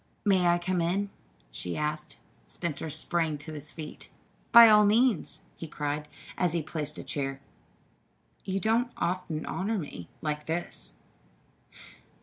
"May I come in?" she asked. Spencer sprang to his feet. "By all means," he cried as he placed a chair. "You don't often honor me like this."